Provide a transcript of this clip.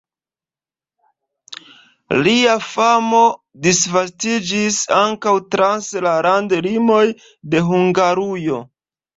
Lia famo disvastiĝis ankaŭ trans la landlimoj de Hungarujo.